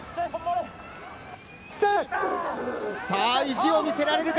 意地を見せられるか？